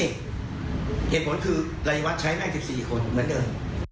เหตุผลคือรายวัดใช้ได้๑๔คนเหมือนเดิม